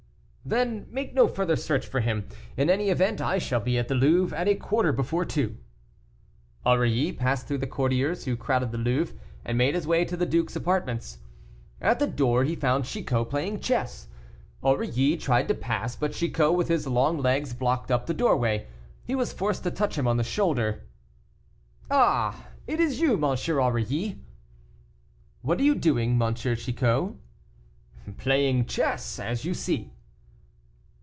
"Then make no further search for him. In any event I shall be at the Louvre at a quarter before two." Aurilly passed through the courtiers who crowded the Louvre, and made his way to the duke's apartments. At the door he found Chicot playing chess. Aurilly tried to pass, but Chicot, with his long legs blocked up the doorway. He was forced to touch him on the shoulder. "Ah, it is you, M. Aurilly." "What are you doing, M. Chicot?" "Playing chess, as you see."